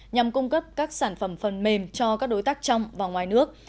nhằm cung cấp các sản phẩm phần mềm cho các đối tác trong và ngoài nước